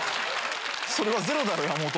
それはゼロだろ山本。